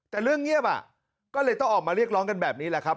แต่เรื่องเงียบก็เลยต้องออกมาเรียกร้องกันแบบนี้แหละครับ